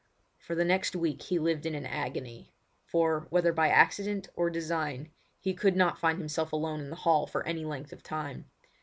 For the next week he lived in an agony; for, whether by accident or design, he could not find himself alone in the hall for any length of time.